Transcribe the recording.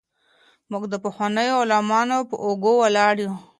موږ د پخوانيو عالمانو په اوږو ولاړ يو.